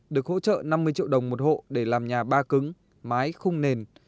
được hỗ trợ năm mươi triệu đồng một hộ để làm nhà ba cứng mái khung nền